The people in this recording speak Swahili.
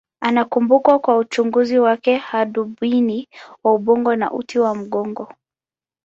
Anakumbukwa kwa uchunguzi wake wa hadubini wa ubongo na uti wa mgongo.